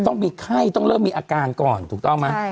ต้องมีไข้ต้องเริ่มมีอาการก่อนถูกต้องไหม